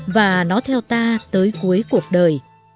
và nó theo ta tới cuối cuộc đời